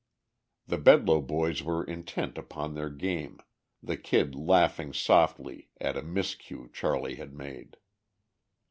The Bedloe boys were intent upon their game, the Kid laughing softly at a miscue Charley had made.